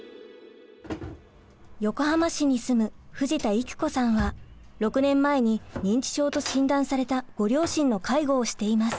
横浜市に住む藤田郁子さんは６年前に認知症と診断されたご両親の介護をしています。